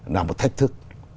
là một thách thức